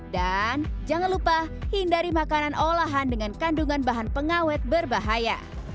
dan jangan lupa hindari makanan olahan dengan kandungan bahan pengawet berbahaya